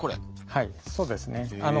はいそうですね。